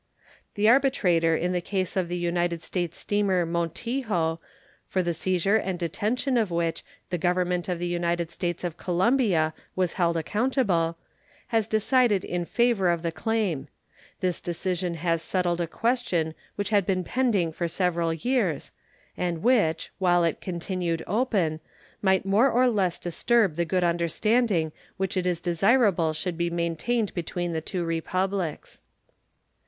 The arbitrator in the case of the United States steamer Montijo, for the seizure and detention of which the Government of the United States of Colombia was held accountable, has decided in favor of the claim. This decision has settled a question which had been pending for several years, and which, while it continued open, might more or less disturb the good understanding which it is desirable should be maintained between the two Republics.